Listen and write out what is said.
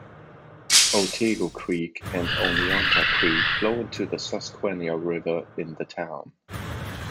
Otego Creek and Oneonta Creek flow into the Susquehanna River in the town.